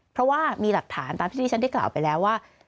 เพราะว่ามีหลักฐานตามที่ที่ฉันได้กล่าวไปแล้วว่า